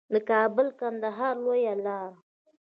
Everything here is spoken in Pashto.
د کابل کندهار لویه لار